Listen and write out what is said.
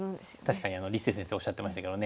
確かに立誠先生おっしゃってましたけどね。